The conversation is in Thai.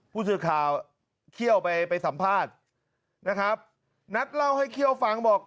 ผู้สื่อข่าวเคี่ยวไปไปสัมภาษณ์นะครับนัทเล่าให้เขี้ยวฟังบอก